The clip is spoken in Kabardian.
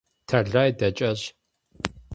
Тэлай дэкӀащ.